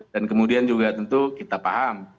dan kemudian juga tentu kita paham